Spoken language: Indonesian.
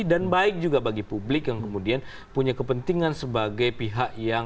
baik juga bagi publik yang kemudian punya kepentingan sebagai pihak yang